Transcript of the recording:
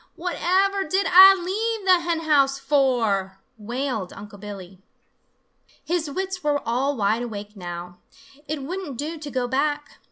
Whatever did Ah leave the hen house for?" wailed Unc' Billy. His wits were all wide awake now. It wouldn't do to go back.